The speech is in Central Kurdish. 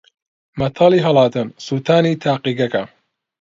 مەتەڵی ھەڵاتن: سووتانی تاقیگەکە